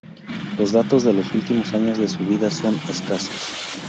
Los datos de los últimos años de su vida son escasos.